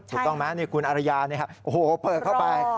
ถูกต้องไหมนี่คุณอริยาโอ้โหเปิดเข้าไป